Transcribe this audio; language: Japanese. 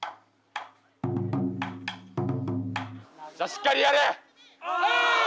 しっかりやれ。